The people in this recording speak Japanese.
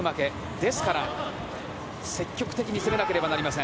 ですから、積極的に攻めなければなりません。